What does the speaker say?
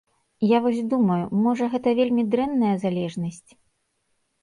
Я вось думаю, можа, гэта вельмі дрэнная залежнасць?